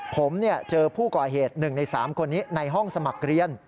ผมเจอผู้ก่อเหตุ๑ใน๓คนนี้ในห้องสมัครเรียน